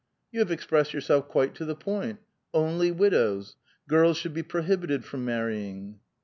" You have expressed yourself quite to the point. Only widows ; girls should l>e prohibited from marrying."